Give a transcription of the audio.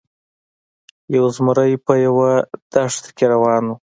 یو زمری په یوه دښته کې روان و.